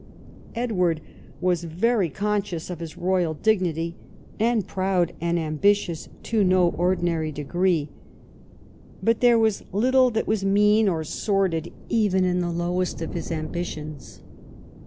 Edward was very conscious of his royal dignity, and proud and ambitious to no ordinary degree. But there was little that was mean or sordid even in the lowest of his ambitions.